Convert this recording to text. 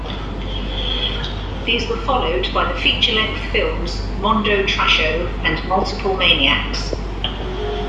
These were followed by the feature-length films "Mondo Trasho" and "Multiple Maniacs".